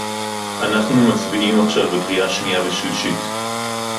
אנחנו מצביעים עכשיו בקריאה שנייה ושלישית